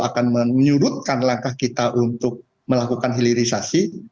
akan menyurutkan langkah kita untuk melakukan hilirisasi